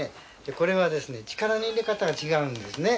これは力の入れ方が違うんですね。